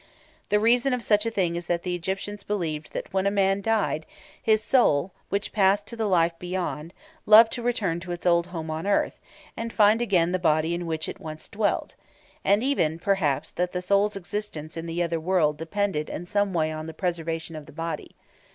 The reason of such a thing is that the Egyptians believed that when a man died, his soul, which passed to the life beyond, loved to return to its old home on earth, and find again the body in which it once dwelt; and even, perhaps, that the soul's existence in the other world depended in some way on the preservation of the body.